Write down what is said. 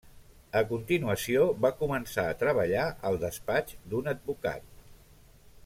A continuació, va començar a treballar al despatx d'un advocat.